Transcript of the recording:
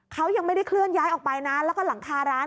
เขายังไม่ได้เคลื่อนย้ายออกไปนะแล้วก็หลังคาร้าน